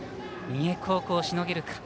三重高校しのげるか。